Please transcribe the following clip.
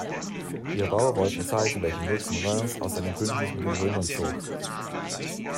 Die Erbauer wollten zeigen, welchen Nutzen Reims aus seinem Bündnis mit den Römern zog.